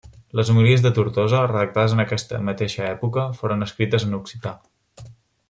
Les Homilies de Tortosa, redactades en aquesta mateixa època, foren escrites en occità.